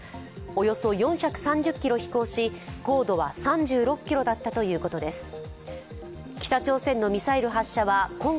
およそ４３０ｋｍ飛行し高度は３６ｋｍだったということです。